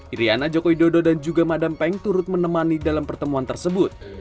iriana jokowi dodo dan juga madam peng turut menemani dalam pertemuan tersebut